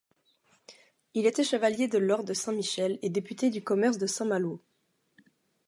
Il était chevalier de l'ordre de Saint-Michel et député du Commerce de Saint-Malo.